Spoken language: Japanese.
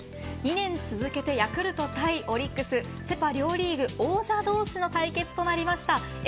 ２年続けてヤクルト対オリックスセ・パ両リーグ王者同士の対決となりました。